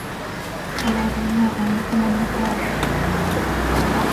ألا بيني وبينكم النفار